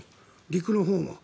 陸のほうも。